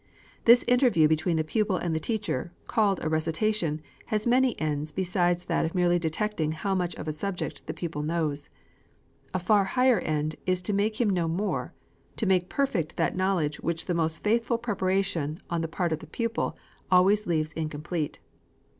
This interview between the pupil and teacher, called a recitation, has many ends besides that of merely detecting how much of a subject the pupil knows. A far higher end is to make him know more, to make perfect that knowledge which the most faithful preparation on the part of the pupil always leaves incomplete.